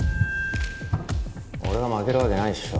俺が負けるわけないっしょ。